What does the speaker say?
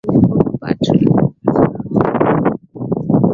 beki wa kushoto wa manchester united mashetani wekundu patri